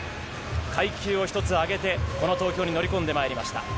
階級を１つ上げて、この東京に乗り込んでまいりました。